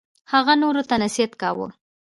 هغه نورو ته نصیحت کاوه.